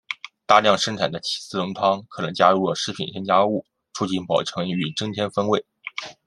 大量生产的起司浓汤可能加入了食品添加物促进保存与增添风味。